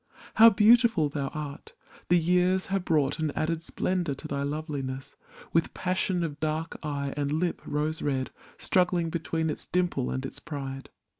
How beautiful thou art! The years have brought An added splendor to thy loveliness. With passion of dark eye and lip rose red Struggling between its dimple and its pride.